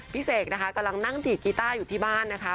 เสกนะคะกำลังนั่งดีดกีต้าอยู่ที่บ้านนะคะ